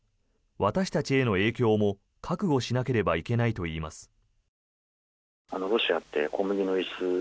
私たちへの影響も覚悟しなければいけないといいます。